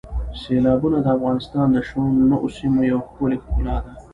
سیلابونه د افغانستان د شنو سیمو یوه ښکلې ښکلا ده.